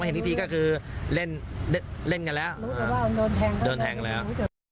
แต่เห็นทีก็คือเล่นกันแล้วโดนแทงแล้ว